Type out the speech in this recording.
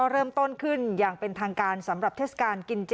เริ่มต้นขึ้นอย่างเป็นทางการสำหรับเทศกาลกินเจ